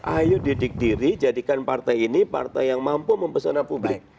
ayo didik diri jadikan partai ini partai yang mampu mempesona publik